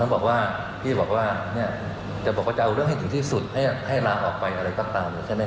ท่านบอกว่าพี่บอกว่าจะเอาเรื่องให้ถึงที่สุดให้ลาออกไปอะไรก็ตาม